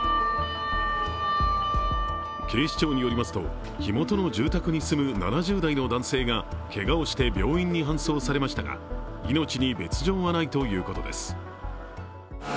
警視庁によりますと、火元の住宅に住む７０代の男性がけがをして病院に搬送されましたが、命に別状はないということです